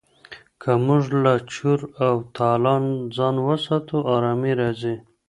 که موږ له چور او تالان ځان وساتو ارامي راځي.